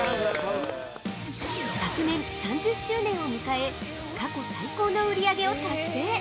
◆昨年３０周年を迎え過去最高の売り上げを達成！